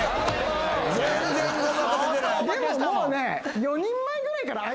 でももうね。